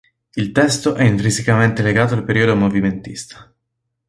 Il testo è intrinsecamente legato al periodo "movimentista".